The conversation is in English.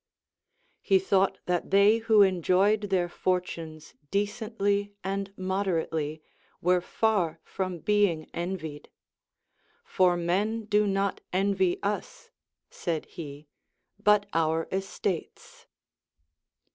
He thought that they who enjoyed their fortunes decently and moderately, were far from being envied; For men do not envy us, said he, but our estates.